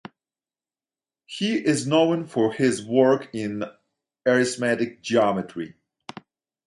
He is known for his work in arithmetic geometry.